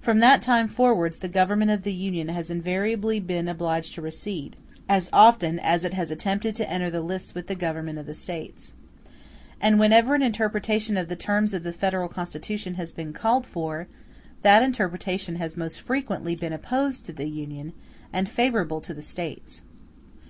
From that time forwards the Government of the Union has invariably been obliged to recede, as often as it has attempted to enter the lists with the governments of the States. And whenever an interpretation of the terms of the Federal Constitution has been called for, that interpretation has most frequently been opposed to the Union, and favorable to the States.